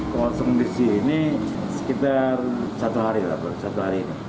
kosong di sini sekitar satu hari lah satu hari ini